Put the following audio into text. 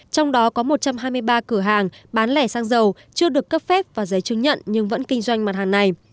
trong đó có một trăm hai mươi ba cửa hàng bán lẻ xăng dầu chưa được cấp phép và giấy chứng nhận nhưng vẫn kinh doanh mặt hàng này